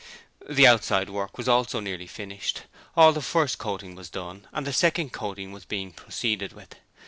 The outside work was also nearly finished: all the first coating was done and the second coating was being proceeded with.